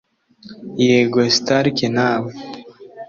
Yego Stark Nawe